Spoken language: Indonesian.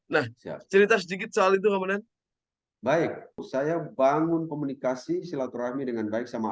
nah cerita sedikit soal itu kemudian baik saya bangun komunikasi silaturahmi dengan baik sama